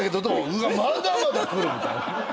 うわまだまだ来るみたいな。